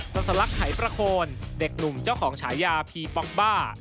สัสลักหายประโคนเด็กหนุ่มเจ้าของฉายาพีป๊อกบ้า